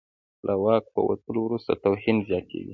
له واکه په وتلو وروسته توهین زیاتېږي.